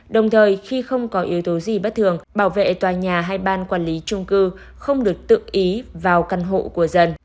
đồng thời khi không có yếu tố gì bất thường bảo vệ tòa nhà hay ban quản lý trung cư không được tự ý vào căn hộ của dân